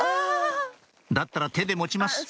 だったら手で持ちます